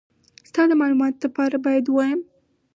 ستا د مالوماتو دپاره بايد ووايم.